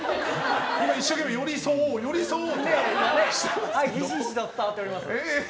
一生懸命寄り添おう寄り添おうとしてます。